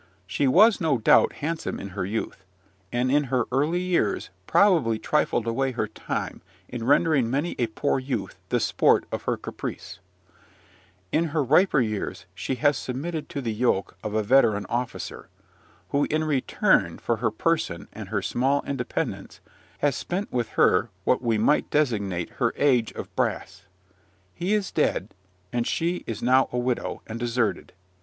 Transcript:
She was, no doubt, handsome in her youth, and in her early years probably trifled away her time in rendering many a poor youth the sport of her caprice: in her riper years she has submitted to the yoke of a veteran officer, who, in return for her person and her small independence, has spent with her what we may designate her age of brass. He is dead; and she is now a widow, and deserted.